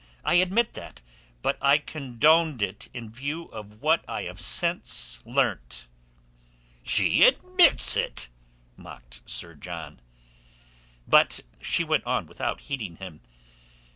I admit that, but I condoned it in view of what I have since learnt." "She admits it!" mocked Sir John. But she went on without heeding him.